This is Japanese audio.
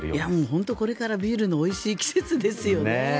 本当にこれからビールのおいしい季節ですよね。